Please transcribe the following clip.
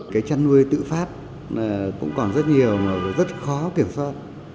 cái chăn nuôi tự phát cũng còn rất nhiều mà rất khó kiểm soát